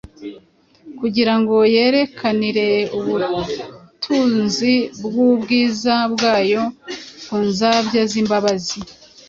kugira ngo yerekanire ubutunzi bw’ubwiza bwayo ku nzabya z’imbabazi,